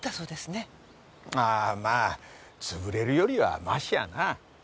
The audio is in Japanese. ああまあ潰れるよりはマシやな。